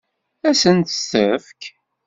Ad sen-tt-tefk?